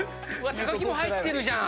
木も入ってるじゃん！